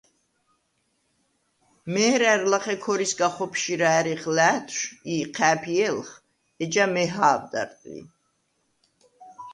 მე̄რა̈რ ლახე ქორისგა ხოფშირა ა̈რიხ ლა̄̈თშვ ი იჴა̄̈ფიე̄ლხ, ეჯა მეჰა̄ვდარ ლი.